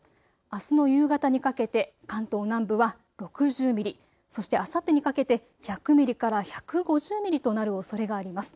あすの夕方にかけて関東南部は６０ミリ、そしてあさってにかけて１００ミリから１５０ミリとなるおそれがあります。